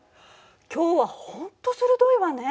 今日はほんと鋭いわね！